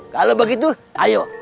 kalau begitu ayo